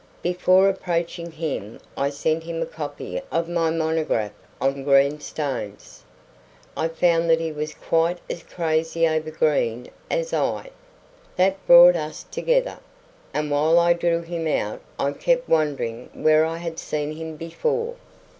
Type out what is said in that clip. Before approaching him I sent him a copy of my monograph on green stones. I found that he was quite as crazy over green as I. That brought us together; and while I drew him out I kept wondering where I had seen him before.